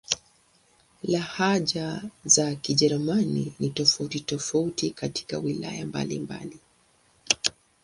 Lahaja za Kijerumani ni tofauti-tofauti katika wilaya mbalimbali.